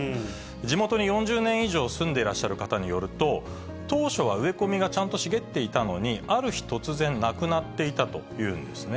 地元に４０年以上住んでいらっしゃる方によると、当初は植え込みがちゃんと茂っていたのに、ある日突然、なくなっていたというんですね。